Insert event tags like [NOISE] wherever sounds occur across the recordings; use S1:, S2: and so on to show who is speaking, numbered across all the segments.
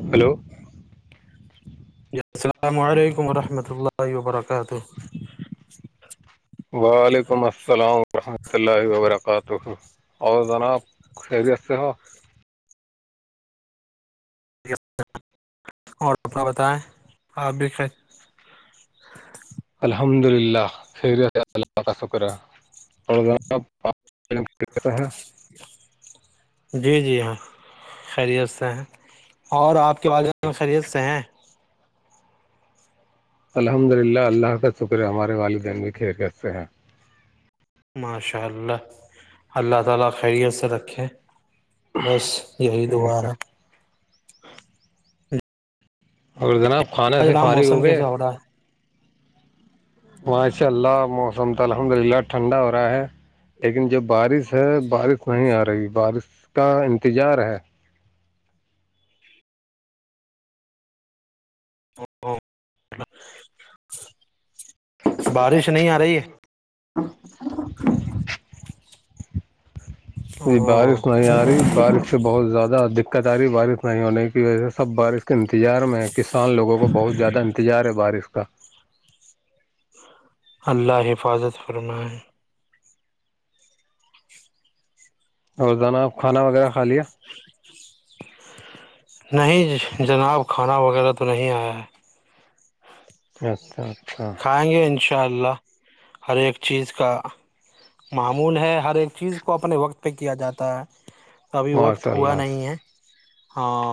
S1: ہی
S2: hello
S1: [INAUDIBLE] السلام علیکم ورحمۃ اللہ وبرکاتہ
S2: وعلیکم السلام ورحمۃ اللہ وبرکاتہ اور جناب خ بھی آتے ہ [UNINTELLIGIBLE]
S1: اور اپنا بتائیں آپ بھی خ [INAUDIBLE]
S2: الحمد للہ خلہ کا فکرہ [INAUDIBLE] اورد کر [INAUDIBLE]
S1: جی جی ہاں خیریت سے ہیں اور آپ کے والدین خیریت سے ہیں
S2: الحمد للہ اللہ کا شکر ہے ہمارے والدین بھی خیرکت سے ہیں
S1: ماشاء اللہ اللہ تعالی خیریت سے رکھیں بس یہی دعا ہے
S2: اور جناب کھانے
S1: آج
S2: سے
S1: رام
S2: فارغ ہو
S1: موسم
S2: گئے
S1: کیسا رہا ہے
S2: ماشاء اللہ موسم تو الحمد للہ ٹھنڈا ہو رہا ہے لیکن جب بارش ے بارش نہیں آ رہی بارش کا انتظار ہے
S1: بارش نہیں آ رہی ہے [INAUDIBLE] اچا [INAUDIBLE]
S2: جی بارش نہیں آ رہی بارش سے بہت زیادہ دقت آ رہی ہے بارش نہیں ہونے کی وجہ سے سب بارش کے انتظار میں کسان لوگوں کو بہت زیادہ انتظار ہے بارش کا
S1: اللہ حفاظت فرمائے
S2: اوروزانا آپ کھانا وغیرہ کھا لیا
S1: نہیں جناب کھانا وغیرہ تو نہیں آیا ہے
S2: اچھا اچھا [INAUDIBLE]
S1: کھائیں گے ان شاء اللہ ہر ایک چیز کا معمول ہے ہر ایک چیز کو اپنے وقت پہ کیا جاتا ہے ابھی
S2: ماشاء
S1: وقت ہوا
S2: اللہ
S1: نہیں ہے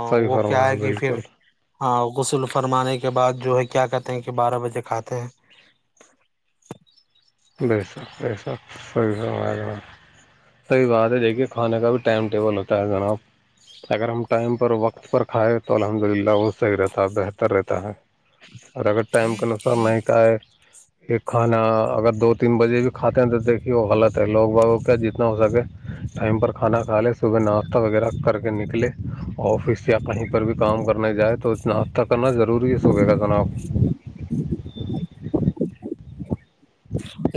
S2: صحیح
S1: وہ کیا
S2: فرمایا
S1: ہے کہ پھر
S2: بالکل
S1: ہاں غسل فرمانے کے بعد جو ہے کیا کہتے ہیں کہ بارہ بجے کھاتے ہیں
S2: بیسخ بیسب سی س گ [INAUDIBLE] صحی بات ہے دیکھیے کھانے کا بھی ٹائم ٹیبل ہوتا ہے جناب اگر ہم ٹائم پر وقت پر کھائائے تو الحمد للہ وہ صحیح رہتا ہے بہتر رہتا ہے اور اگر ٹائم کے انسار نہیں کہائے یہ کھانا اگر دو تین بجے بھی کھاتے ہیں تو دیکھیے وہ غط ہے لوگ باگ کیا جتنا ہو سکے ٹائم پر کھانا کھا لے صبح ناشتہ وغیرہ کر کے نکلے آفس یا کہیں پر بھی کام کرنے جائے تو اتنا ہفتہ کرنا ضروری ہے صبح کا جناب
S1: جی [INAUDIBLE]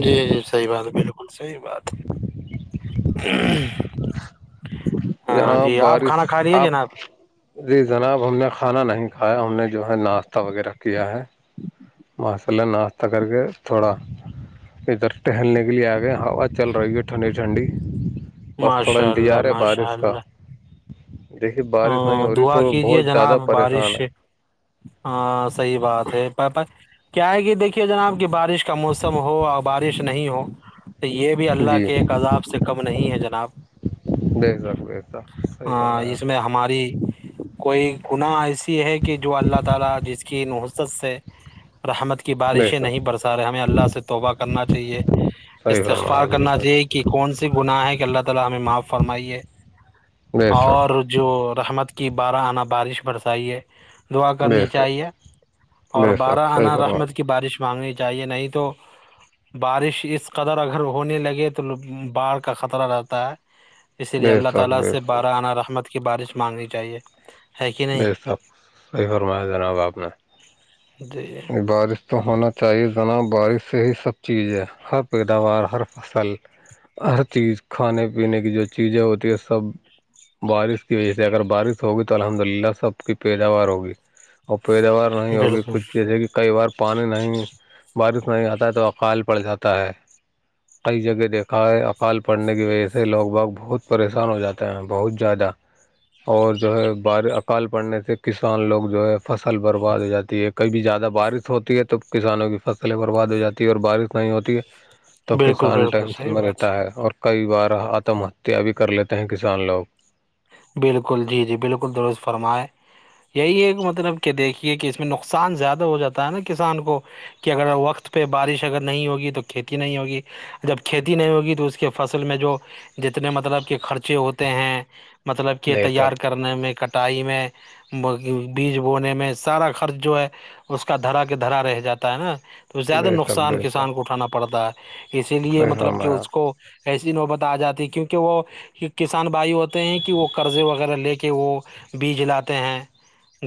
S1: جی جی صحیح بات بالکل صحیح بات ہاں
S2: جناب
S1: جی آپ
S2: بارش
S1: کھانا کھا رہیے ج
S2: آپ
S1: نب
S2: جی جناب ہم نے کھانا نہیں کھایا ہم نے جو ہے ناشتہ وغیرہ کیا ہے ماشاء اللہ ناشتہ کر کے تھوڑا ادھر ٹہلنے کے لیے آ گیا ہوا چل رہی ہے ٹھنڈی ٹھنڈی بس تھوڑا
S1: ماشاء اللہ
S2: انتظار ہے
S1: ماشاء
S2: بارش کا دیکھیے بارش نہیں
S1: ہ
S2: ہو رہی
S1: دعا
S2: تو
S1: کیجیے
S2: بہت زیادہ
S1: جناب بارش
S2: پریشان
S1: سے ہاں صحیح بات ہے کیا ہے کہ دیکھیے جناب کہ بارش کا موسم ہو اور بارش نہیں ہو تو یہ بھی
S2: ہے
S1: اللہ
S2: جی
S1: کے ایک عذاب سے کم نہیں ہے جناب
S2: بےزاک بزاک صحیح
S1: ہاں
S2: فرمایا
S1: اس
S2: [INAUDIBLE]
S1: ہماری کوئی گناہ ایسی ہے کہ جو اللہ تعالی جس کی نحرت سے رحمت کی
S2: بے
S1: بارشیں
S2: شک
S1: نہیں برسا رہے ہمیں اللہ سے توبہ کرنا چاہیے
S2: صحیح فرمایا
S1: استغفار کرنا
S2: بالکل
S1: چاہیے کہ کون سی گناہ ہے کہ اللہ تعالی ہمیں معاف فرمائیے
S2: نہیں
S1: اور جو رحمت کی بارہ آنا بارش بڑسائی ہے دعا
S2: بے
S1: کرنی
S2: شک
S1: چاہیے اور
S2: بے
S1: بارہ
S2: شک صحیح
S1: انا
S2: فرمایا
S1: رحمت کی بارش مانگنی چاہیے نہیں تو بارش اس قدر اگر ہونے لگے تو باڑھ کا خطرہ رہتا ہے اسی لیے
S2: بے
S1: اللہ
S2: شک
S1: تعالی
S2: بے
S1: سے
S2: شک
S1: بارہانہ رحمت کی بارش مانگنی چاہیے ہے کہ
S2: ب
S1: نہیں
S2: سب صحیح فرمایا جناب آپ
S1: جی
S2: نے بارش تو ہونا چاہیے نا بارش سے ہی سب چیز ہے ہر پیداوار ہر فصل ہر چیز کھانے پینے کی جو چیزیں ہوتی ہے سب بارش کی وجہ سے اگر بارش ہوگی تو الحمد للہ اللہ سب کی پیداوار ہوگی اور پیداوار نہیں ہوگی
S1: بالکل
S2: کچھ جیسے کہ کئی بار پانی نہیں بارش نہیں آتا ہے تو اقال پڑ جاتا ہے کئی جگہ دیکھا ہے اقال پڑھنے کی وجہ سے لوگ باگ بہت پریشان ہو جاتے ہیں بہت زیادہ اور جو ہے بار اکال پڑنے سے کسان لوگ جو ہے فصل برباد ہو جاتی ہے کبھی زیادہ بارش ہوتی ہے تو کسانوں کی فصلیں برباد ہو جاتی ہے اور بارش نہیں ہوتی ہے تب
S1: بالکل
S2: کسان
S1: بالکل صحیح
S2: ٹینشن میں
S1: بات
S2: رہتا ہے اور کئی بار آتم ہتیا بھی کر لیتے ہیں کسان لوگ
S1: بالکل جی جی بالکل درست فرمائے یہی ایک مطلب کہ دیکھیے کہ اس میں نقصان زیادہ ہو جاتا ہے نا کسان کو کہ اگر وقت پہ بارش اگر نہیں ہوگی تو کھیتی نہیں ہوگی جب کھیتی نہیں ہوگی تو اس کے فصل میں جو جتنے مطلب کہ خرچے ہوتے ہیں مطلب کہ
S2: بے
S1: تیار
S2: شک
S1: کرنے میں کٹائی میں بیج بونے میں سارا خرچ جو ہے اس کا دھرا کے دھرا رہ جاتا ہے نا تو زیادہ
S2: بے شک
S1: نقصان
S2: بے شک
S1: کسان کو اٹھانا پڑتا ہے اسی لیے
S2: صحیح
S1: مطلب کہ
S2: فرمایا
S1: اس کو ایسی نوبت آ جاتی ہے کیونکہ وہ کسان بھائی ہوتے ہیں کہ وہ قرضے وغیرہ لے کے وہ بیج لاتے ہیں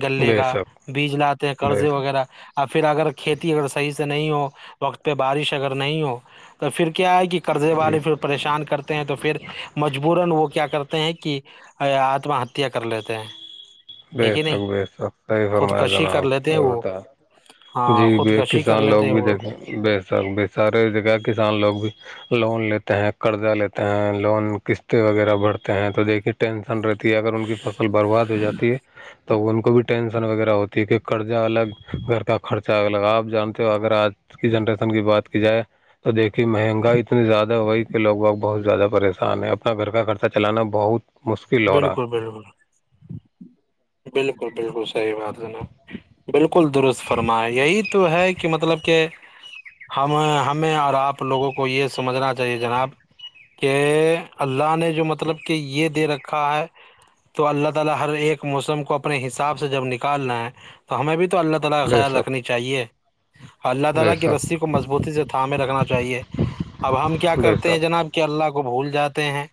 S1: گلے
S2: بے
S1: کا
S2: شک
S1: بیج لاتے ہیں
S2: بے
S1: قرضے
S2: شک
S1: وغیرہ اور پھر اگر کھیتی اگر صحیح سے نہیں ہو وقت پہ بارش اگر نہیں ہو تو پھر کیا ہے کہ قرضے والے پھر پریشان کرتے ہیں تو پھر مجبورا وہ کیا کرتے ہیں کہ ا آتما ہتیا کر لیتے ہیں
S2: بے
S1: ہے کہ نہیں
S2: شک بے شک صحیح فرما ج
S1: خودکشی
S2: ن
S1: کر
S2: آپ
S1: لیتے ہیں
S2: صحیح
S1: وہ
S2: بتا جی
S1: ہاں
S2: بھی
S1: خودکشی کر
S2: کسان لوگ
S1: لیتے ہیں
S2: بھی
S1: وہ
S2: دیکھے بے سک ب سارے دیکھا کسان لوگ بھی لون لیتے ہیں قرضہ لیتے ہیں لون قسط وغیرہ بھرتے ہیں تو دیکھیے ٹینشن رہ ت اگر ان کی فصل برباد ہو جاتی ہے تو ان کو بھی ٹینشن وغیرہ ہوتی ہے کہ قرضہ الگ گھر کا خرچہ الگ آپ جانتے ہو اگر آج کی جنریشن کی بات کی جائے تو دیکھیے مہنگائی اتنی زیادہ ہوئی کہ لوگ بگ بہت زیادہ پریشان ہے اپنا گھر کا خرچہ چلانا بہت مشکل ہو رہا
S1: بالکل
S2: ہے
S1: بالکل بالکل بالکل سر صحیح بات جناب بالکل درست فرما یہی تو ہے کہ مطلب کہ ہم ہمیں اور آپ لوگوں کو یہ سمجھنا چاہیے جناب کہ اللہ نے جو مطلب کہ یہ دے رکھا ہے تو اللہ تعالا ہر ایک موسم کو اپنے حساب سے جب نکالنا ہے تو ہمیں بھی تو اللہ تعالا کا
S2: بے
S1: خیال رکھنی
S2: شک
S1: چاہیے اللہ
S2: بے
S1: تعالا کی
S2: شک
S1: رسی کو مضبوطی سے تھام میں رکھنا چاہیے اب ہم کیا
S2: بے
S1: کرتے ہیں
S2: شک
S1: جناب اللہ کو بھول جاتے ہیں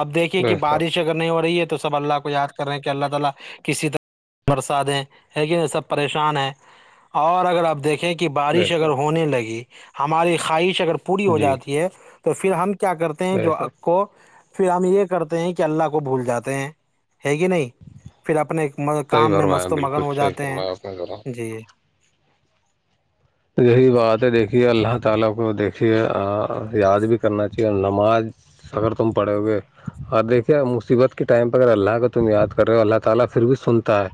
S1: اب دیکھیے کہ
S2: بے شک
S1: بارش اگر نہیں ہو رہی ہے تو سب اللہ کو یاد کر رہے کہ اللہ تعالا کسی طرح برسا دیں ہے کہ سب پریشان ہیں اور اگر آپ دیکھیں کہ
S2: بے
S1: بارش اگر
S2: شک
S1: ہونے لگی ہماری خواہش اگر پوری ہو
S2: جی
S1: جاتی ہے تو پھر ہم تو کیا کرتے ہیں
S2: بے
S1: جو
S2: شک
S1: ا کو پھر ہم یہ کرتے ہیں کہ اللہ کو بھول جاتے ہیں ہے کہ نہیں پھر اپنے
S2: صحیح
S1: کام میں
S2: فرمایا
S1: مست و
S2: بالکل
S1: مگن ہو
S2: صحیح
S1: جاتے ہیں
S2: فرمایا آپ نے ذرا
S1: جی
S2: یہی بات ہے دیکھیے اللہ تعالا کو دیکھیے یاد بھی کرنا چاہیے نماز اگر تم پڑے ہوئے اور دیکھیے مصیبت کے ٹائم پہ اگر اللہ کا تم یاد کر رہے ہو اللہ تعالی پھر بھی سنتا ہے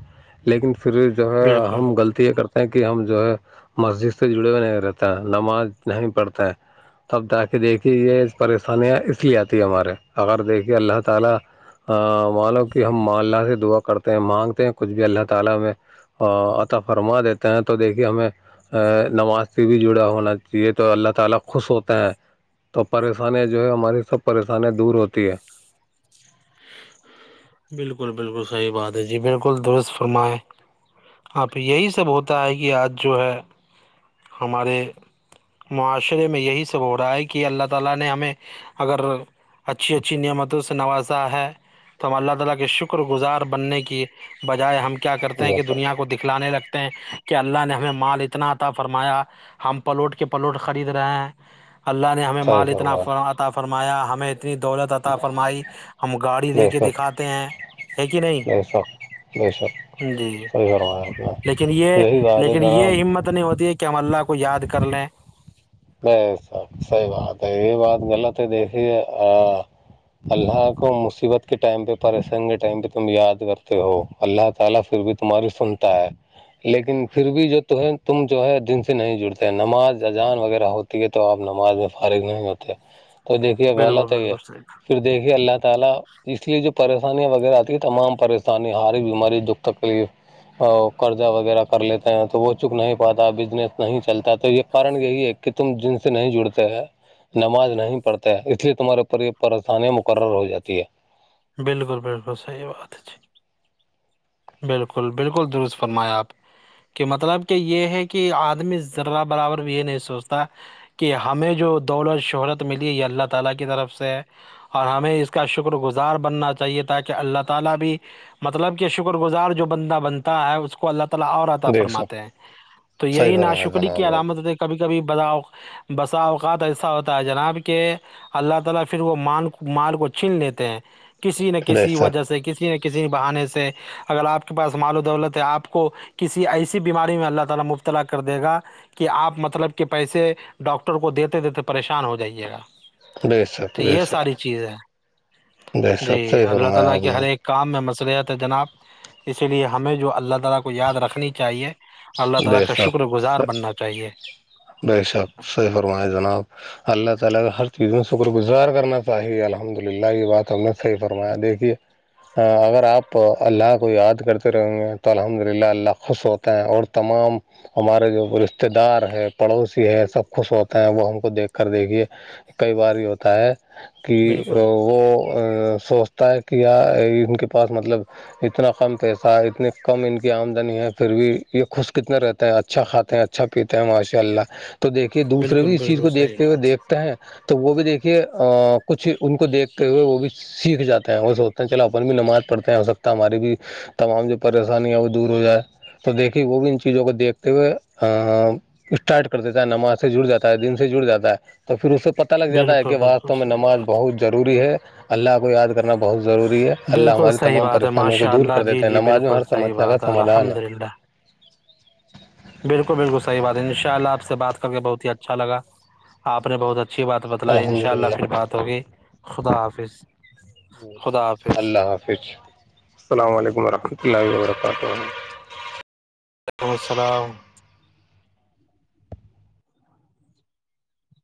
S2: لیکن پھر جو ہے
S1: بالکل
S2: ہم غلطی یہ کرتے ہیں کہ ہم جو ہے مسجد سے جڑے ہوئے نہیں رہتے ہیں نماز نہیں پڑھتا ہے تب جا کے دیکھیے یہ پریشانیاں اس لیے آتی ہیں ہمارے اگر دیکھیے اللہ تعالا مان لو کہ ہم م اللہ سے دعا کرتے ہیں مانگتے ہیں کچھ بھی اللہ تعالا میں عطا فرما دیتے ہیں تو دیکھیے ہمیں ا نماز سے بھی جڑا ہونا چاہیے تو اللہ تعالا خوش ہوتے ہیں تو پریشانیاں جو ہے ہماری سب پریشانیاں دور ہوتی ہے
S1: بالکل بالکل سحی بات ہے جی بالکل درست فرمائے آ پ یہی سب ہوتا ہے کہ آج جو ہے ہمارے معاشرے میں یہی سب ہو رہا ہے کہ اللہ تعالا نے ہمیں اگر اچھی اچھییمتوں سے نواز ہے تو ہم اللہ تعالا کے شکر گزار بننے کی بجائے ہم کیا کیا کرتے ہیں
S2: جی
S1: کہ
S2: سر
S1: دنیا کو دکھلانے لگتے ہیں کہ اللہ نے ہمیں مال اتناتا فرمایا ہم پلوٹ کے پلوٹ خرید رہے ہیں اللہ نے ہمیں
S2: صحیح
S1: مال اتنا
S2: فرمایا
S1: اطا فرمایا ہمیں اتنی دولت اط فرمائی ہم گاڑی لے
S2: بے
S1: کے
S2: شک
S1: دکھا ت ہیں ہے کہ نہیں
S2: بے شک بے شک
S1: جی
S2: صحیح فرمایا آپ
S1: لیکن یہ
S2: نے یہی بات ہے
S1: لیکن
S2: جناب
S1: یہ ہمت نہیں ہوتی ہے کہ ہم اللہ کو یاد کر لیں
S2: نہیں سب صحیح بات ہے یہ بات مل تو دیکھیھی ہے ہاں اللہ کو مصیبت کے ٹائم پہ پریشن کے ٹائم پہ تم یاد کرتے ہو اللہ تعالا پھر بھی تمہاری سنتا ہے لیکن پھر بھی جو ہے تم جو ہے دن سے نہیں جڑتے نماز اجان وغیرہ ہوتی ہے تو آپ نماز میں فارغ نہیں ہوتے تو دیکھیے
S1: بالکل
S2: غلط ہے یہ
S1: بالکل صحیح
S2: پھر دیکھے اللہ تعالا اس لیے جو پریشانیاں وغیرہ آتی ہے تمام پریشانی ہاری ایک بیماری دکھ تکلیف اور قرضہ وغیرہ کر لیتے ہیں تو وہ چک نہیں پاتا بزنس نہیں چلتا تو یہ کارن یہی ہے کہ تم جن سے نہیں جڑتے ہیں نماز نہیں پڑھتا ہے اسے تمہارے اوپر یہ پریشانیاں مقرر ہو جاتی ہے
S1: بالکل بالکل صحیح باتچی بالکل بالکل درست فرمایا آپ کہ مطلب کہ یہ ہے کہ آدمی ذرہ برابر یہ نہیں سوچتا کہ ہمیں جو دول اور شہرت ملی ہے اللہ تعالا کی طرف سے اور ہمیں اس کا شکر گزار بننا چاہیے تاکہ اللہ تعالا بھی مطلب کہ شکر گزار جو بندہ بنتا ہے اس کو اللہ تعالا اور آ
S2: ہے دیکھ سو
S1: فرماتے ہیں تو
S2: صحیح
S1: یہی
S2: فرمایا
S1: ناشکری کی
S2: جناب
S1: علامت
S2: آپ
S1: کبھی کبھی براؤ بسا اوقات ایسا ہوتا ہے جناب کہ اللہ تعالی پھر وہ مار مار کو چن لیتے ہیں کسی نہ
S2: بے
S1: کسی وجہ
S2: شک
S1: سے کسی نہ کسی بہانے سے اگر آپ کے پاس مال و دولت ہے آپ کو کسی ایسی بیماری میں اللہ تعالی مبتلا کر دے گا کہ آپ مطلب کہ پیسے ڈاکٹر کو دیتے دیتے پریشان ہو جائیے گا
S2: بے شک
S1: تو
S2: بے
S1: یہ ساری
S2: شک
S1: چیز ہے
S2: بے شک
S1: جی
S2: صحیح
S1: اللہ
S2: فرمایا
S1: تعالی
S2: آپ
S1: کے ہر
S2: نے
S1: ایک کام میں مشرت ہے جناب اسی لیے ہمیں جو اللہ تعالی کو یاد رکھنی چاہیے اور اللہ تعالی
S2: بے
S1: کا شکر گزار
S2: شک
S1: بننا چے تاہائیے
S2: بے شک سید فرمائےیا جناب اللہ تعالی کا ہر چیز میں شکر گزار کرنا چاہیے الحمد للہ یہ بات ہم نے صحیح فرمایا دیکھیے اگر آپ اللہ کو یاد کرتے رہیں گے تو الحمد للہ اللہ خوش ہو اور تمام ہمارے جو رشتے دار ہے پڑوسی ہے سب خوش ہوتا ہیں وہ ہم کو دیکھ کر دیکھیے کئی بار ہی ہوتا ہے کہ
S1: بالکل
S2: وہ سوچتا ہے کہ یا ان کے پاس مطلب اتنا کم پیسہ اتنی کم ان کی آمدنی ہے پھر بھی یہ خوش کتنے رہتا ہے اچھا کھاتے ہیں اچھا پیتے ہیں ماشاء اللہ تو دیکھیے دوسرے
S1: بالکل
S2: بھی اس چیز
S1: بالکل
S2: کو
S1: صحیح
S2: دیکھتے ہوئے
S1: بات
S2: دیکھتے ہیں تو وہ بھی دیکھیے کچھ ان کو دیکھتے ہوئے وہ بھی سیکھ جاتے ہیں وہ س وت چلو اپن بھی نماز پڑتے ہیں ہو سکتا ہے ہماری بھی تمام جو پریشانی ہے وہ دور ہو جائے تو دیکھیے وہ بھی ان چیزوں کو دیکھتے ہوئے اسٹارٹ کر دیتا ہے نماز سے جڑ جاتا ہے دن سے جڑ جاتا ہے تو پھر اسے پتتا لگ جاتا ہے
S1: بالکل
S2: کہ
S1: بالکل
S2: واسطو میں
S1: صحیح
S2: نماز
S1: بات
S2: بہت ضروری ہے اللہ کو یاد کرنا بہت ضروری ہے اللہ
S1: بالکل
S2: ہماری
S1: صحیح
S2: تمام
S1: بات ہے
S2: پریشانیوں کو
S1: ماشاء
S2: دور
S1: اللہ
S2: کر
S1: جی
S2: دیتے ہیں
S1: جی
S2: نماز میں
S1: بالکل
S2: ہر
S1: صحیح
S2: سمسیا کا
S1: بات
S2: سمادھان ہے
S1: الحمد للہ بالکل بالکل صحی بات ہے ان شاء اللہ آپ سے بات کر کے بہت ہی اچھا لگاپ نے بہت اچھی بات بتلائی ان
S2: الحمد
S1: شاء اللہ پھر
S2: للہ
S1: بات ہوگئی خدا حافظ خدا حافظ
S2: صفچ [UNINTELLIGIBLE] السلام علیکم ورحمۃ اللہ و برکاتہ
S1: [UNINTELLIGIBLE] رمسرؤ